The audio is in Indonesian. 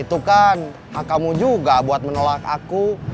itu kan hak kamu juga buat menolak aku